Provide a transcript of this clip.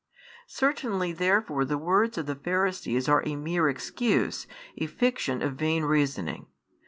Certainly therefore the words of the Pharisees are a mere excuse, a fiction of vain reasoning.